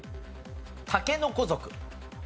竹の子族。